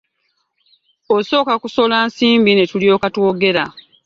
Osooka kusola nsimbi ne tulyoka twogera.